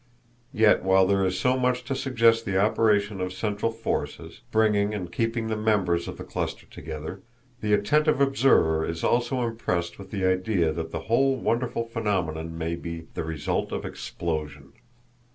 Yet while there is so much to suggest the operation of central forces, bringing and keeping the members of the cluster together, the attentive observer is also impressed with the idea that the whole wonderful phenomenon may be _the result of explosion.